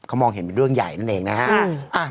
เขามองเห็นเป็นเรื่องใหญ่นั่นเองนะฮะ